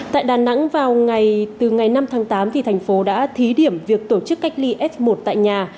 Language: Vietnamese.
tại đà nẵng vào ngày năm tháng tám thành phố đã thí điểm việc tổ chức cách ly f một tại nhà